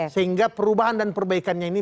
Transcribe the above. sehingga perubahan dan perbaikannya ini